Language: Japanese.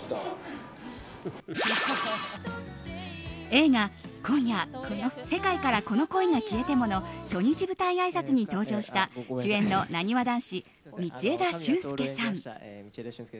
映画「今夜、世界からこの恋が消えても」の初日舞台あいさつに登場した主演のなにわ男子、道枝駿佑さん。